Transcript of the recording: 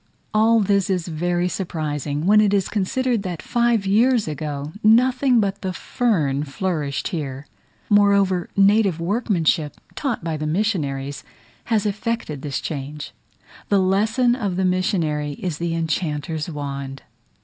All this is very surprising, when it is considered that five years ago nothing but the fern flourished here. Moreover, native workmanship, taught by the missionaries, has effected this change; the lesson of the missionary is the enchanter's wand.